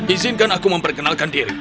izinkan aku memperkenalkan diri